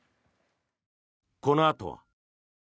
このあとは。